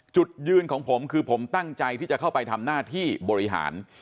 จุดยืนของผมคือผมตั้งใจที่จะเข้าไปทำหน้าที่บริหาร